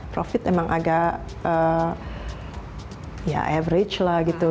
profit memang agak average lah gitu